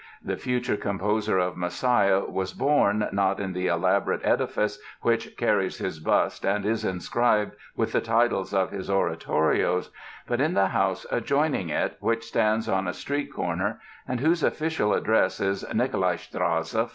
The future composer of "Messiah" was born, not in the elaborate edifice which carries his bust and is inscribed with the titles of his oratorios, but in the house adjoining it which stands on a street corner and whose official address is Nicolai Strasse 5.